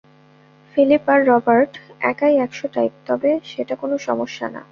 Philip আর Robert একাই একশো টাইপ, তবে সেটা কোনো সমস্যা না।